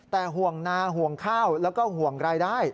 แต่ห่วงนาห่วงข้าวแล้วก็ห่วงรายได้